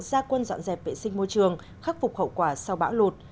gia quân dọn dẹp vệ sinh môi trường khắc phục hậu quả sau bão lụt